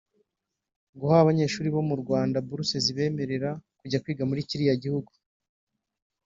guha abanyeshuri bo mu Rwanda bourse zibemerera kujya kwiga muri kiriya gihugu